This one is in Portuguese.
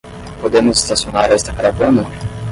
Podemos estacionar esta caravana?